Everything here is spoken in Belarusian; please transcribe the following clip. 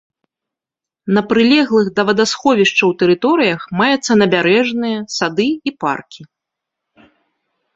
На прылеглых да вадасховішчаў тэрыторыях маюцца набярэжныя, сады і паркі.